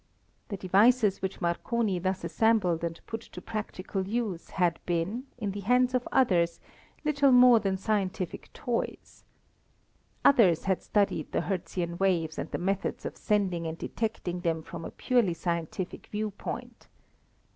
The devices which Marconi thus assembled and put to practical use had been, in the hands of others, little more than scientific toys. Others had studied the Hertzian waves and the methods of sending and detecting them from a purely scientific viewpoint.